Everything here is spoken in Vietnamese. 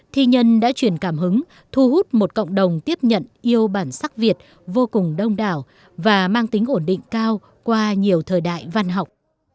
thi nhân đã truyền cảm hứng thu hút một cộng đồng tiếp nhận yêu bản sắc việt vô cùng đông đảo và mang tính ổn định cao qua nhiều thời đại văn học